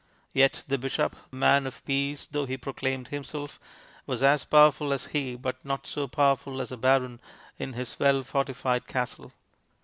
Yet the bishop, man of peace though he proclaimed himself, was as powerful as he, but not so powerful as a baron in his well fortified castle.